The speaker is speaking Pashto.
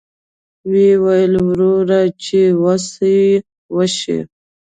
ویل یې وروره چې وسه یې وشي.